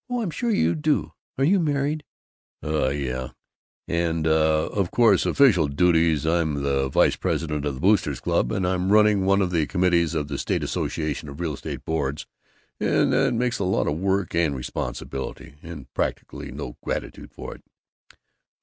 "Oh, I'm sure you do.... Are you married?" "Uh yes.... And, uh, of course official duties I'm the vice president of the Boosters' Club, and I'm running one of the committees of the State Association of Real Estate Boards, and that means a lot of work and responsibility and practically no gratitude for it."